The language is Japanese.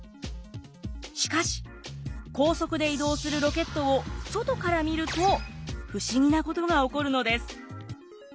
しかし高速で移動するロケットを外から見ると不思議なことが起こるのです。